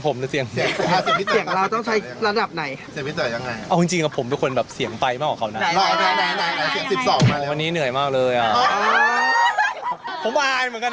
ผมอายเหมือนกันนะเนี่ยเอาจริงอายเหมือนกันนะ